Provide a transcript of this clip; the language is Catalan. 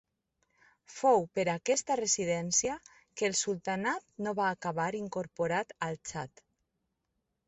Fou per aquesta resistència que el sultanat no va acabar incorporat al Txad.